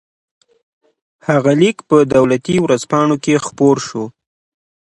هغه لیک په دولتي ورځپاڼو کې خپور شو.